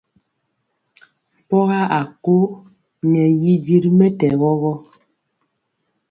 Mpɔŋga a kóo ŋɛ y di ri mɛtɛgɔ gɔ.